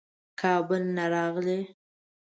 کابل نه راغلی.